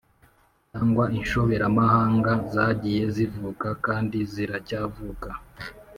cyangwa inshoberamahanga zagiye zivuka kandi ziracyavuka.”